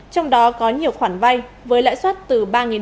trong đó có nhiều khoản vay với lãi suất từ ba đồng một triệu một ngày